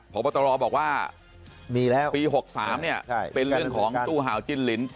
พบตรบอกว่าดีแล้วปี๖๓เนี่ยเป็นเรื่องของตู้ห่าวจิ้นลิ้น